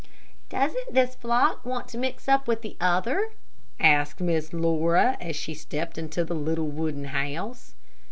"Doesn't this flock want to mix up with the other?" asked Miss Laura, as she stepped into the little wooden house.